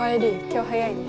今日早いね。